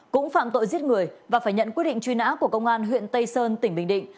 cũng phạm tội giết người và phải nhận quyết định truy nã của công an huyện tây sơn tỉnh bình định